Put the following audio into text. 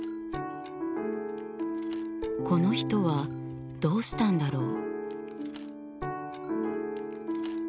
この人はどうしたんだろう？